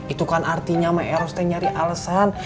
itu kan artinya maeros nyari alesan